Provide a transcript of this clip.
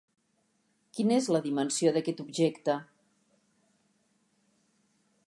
Quina és la dimensió d'aquest objecte?